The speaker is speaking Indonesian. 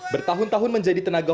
bertahun tahun menjadi tenaga